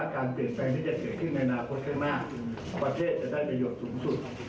การเปลี่ยนแปลงที่จะเกิดขึ้นในอนาคตข้างหน้าประเทศจะได้ประโยชน์สูงสุด